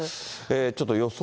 ちょっと予想